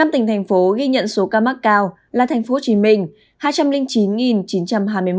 năm tỉnh thành phố ghi nhận số ca mắc cao là thành phố hồ chí minh hai trăm linh chín chín trăm hai mươi một